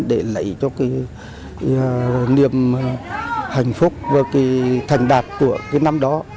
để lấy cho cái niềm hạnh phúc và cái thành đạt của cái năm đó